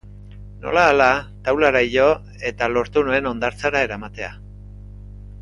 Nola ahala taulara igo eta lortu nuen hondartzara eramatea.